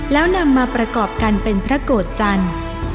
แล้วนำมาประกอบกันเป็นพระโกรธจันทร์